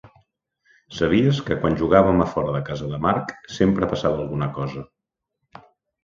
Sabies que quan jugàvem a fora de casa de Mark, sempre passava alguna cosa.